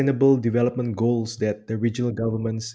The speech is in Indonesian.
ini bisa menjadi strategi yang berkualitas